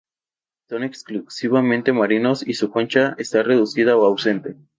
Son exclusivamente marinos y su concha está reducida o ausente.